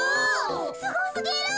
すごすぎる！